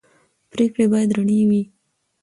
پرېکړې باید رڼې وي